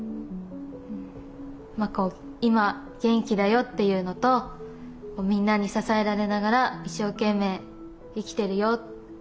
まあ「今元気だよ」っていうのと「みんなに支えられながら一生懸命生きてるよ」。